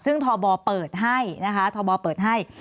ซึ่งทอบอล์เปิดให้นะคะทอบอล์เปิดให้